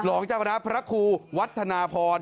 รองเจ้าคณะพระครูวัฒนาพร